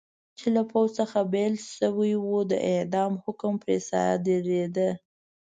چې له پوځ څخه بېل شوي و، د اعدام حکم پرې صادرېده.